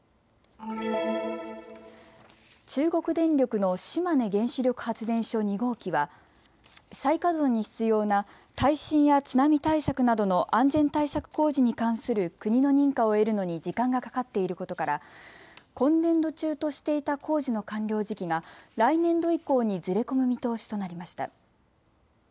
中国電力の島根原子力発電所２号機は再稼働に必要な耐震や津波対策などの安全対策工事に関する国の認可を得るのに時間がかかっていることから今年度中としていた工事の完了時期が来年度以降にずれ込む見通しとなりました。